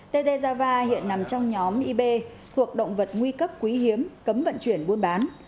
t d java hiện nằm trong nhóm yb thuộc động vật nguy cấp quý hiếm cấm vận chuyển buôn bán